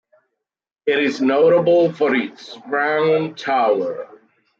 It is notable for its round tower.